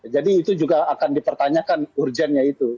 jadi itu juga akan dipertanyakan urgennya itu